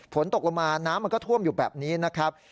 ฝนตกลงมาน้ำมันก็ท่วมอยู่แบบนี้นะครับ